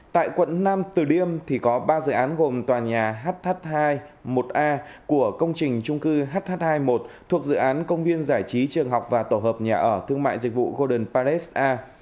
tại quận nam từ liêm thì có ba dự án gồm tòa nhà hh hai một a của công trình trung cư hh hai mươi một thuộc dự án công viên giải trí trường học và tổ hợp nhà ở thương mại dịch vụ golden parace a